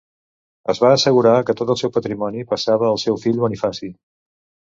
Es va assegurar que tot el seu patrimoni passava al seu fill Bonifaci.